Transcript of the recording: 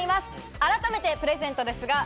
改めてプレゼントです。